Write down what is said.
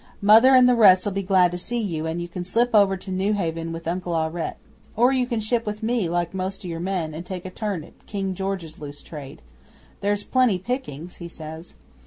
"Mother and the rest'll be glad to see you, and you can slip over to Newhaven with Uncle Aurette. Or you can ship with me, like most o' your men, and take a turn at King George's loose trade. There's plenty pickings," he says.